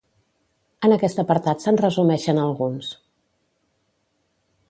En aquest apartat se'n resumeixen alguns.